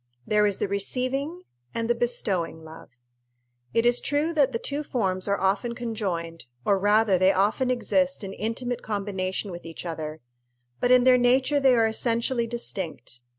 There is the receiving and the bestowing love. It is true that the two forms are often conjoined, or rather they often exist in intimate combination with each other; but in their nature they are essentially distinct.